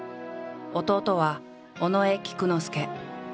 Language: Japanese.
弟は尾上菊之助。